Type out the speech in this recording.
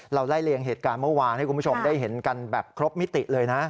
ไล่เลียงเหตุการณ์เมื่อวานให้คุณผู้ชมได้เห็นกันแบบครบมิติเลยนะ